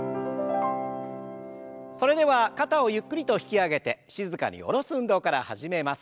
それでは肩をゆっくりと引き上げて静かに下ろす運動から始めます。